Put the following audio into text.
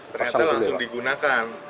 ternyata langsung digunakan